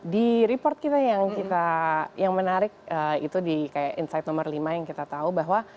di report kita yang kita yang menarik itu di kayak insight nomor lima yang kita tahu bahwa